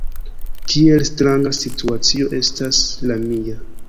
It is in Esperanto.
Kiel stranga situacio estas la mia.